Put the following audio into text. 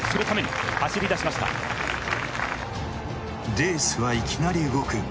レースはいきなり動く。